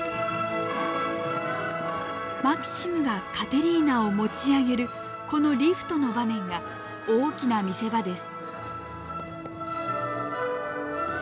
マキシムがカテリーナを持ち上げるこのリフトの場面が大きな見せ場です。